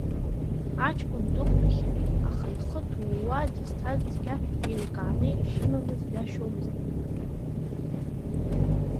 Аҷкәын дықәтәахьан, аха ихы ҭууа, дызҭаз цқьа еилкааны ишимамыз ҩашьомызт.